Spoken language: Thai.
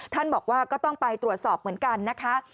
ท่านบอกว่าก็ต้องไปตรวจสอบเหมือนกันนะคะ